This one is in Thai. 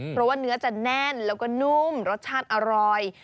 เพราะว่าเนื้อจะแน่นแล้วก็นุ่มรสชาติอร่อย